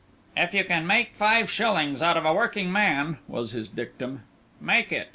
"If you can make five shillings out of a working man," was his dictum, "make it.